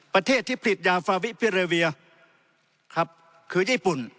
ประเทศที่ผลิตยาฟาวิพิเรเวียครับคือญี่ปุ่น